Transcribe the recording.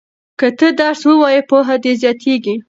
که ته درس ووایې پوهه دې زیاتیږي.